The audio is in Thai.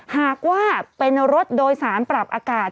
หากว่าเป็นรถโดยสารปรับอากาศ